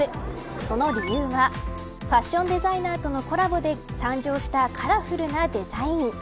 その理由はファッションデザイナーとのコラボで誕生したカラフルなデザイン。